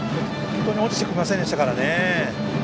本当に落ちてきませんでしたね。